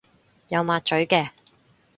有抹嘴嘅